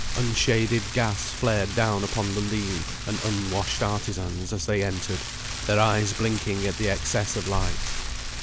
Unshaded gas flared down upon the lean and unwashed artisans as they entered, their eyes blinking at the excess of light.